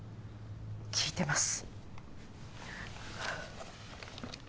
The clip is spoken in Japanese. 聞いてます。